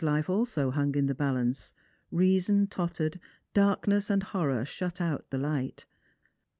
liife also tung in the balance, reason tottered, dai kness and honor shut out the light.